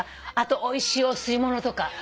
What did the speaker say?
あとおいしいお吸い物とか。